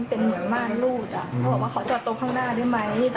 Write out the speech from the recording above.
แล้วช่วงที่แบบเขาคงตอบช่วยมองแล้วอะไรอย่างนี้